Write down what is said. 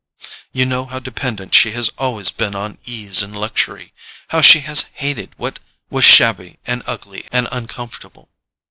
You know how dependent she has always been on ease and luxury—how she has hated what was shabby and ugly and uncomfortable.